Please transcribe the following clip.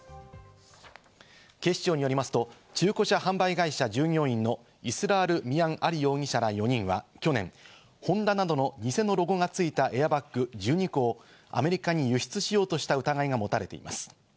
警視庁によりますと、中古車販売会社従業員のイスラール・ミアン・アリ容疑者ら４人は、去年、ホンダなどの偽のロゴがついたエアバッグ１２個をアメリカに輸出しようとした疑いが持たれています。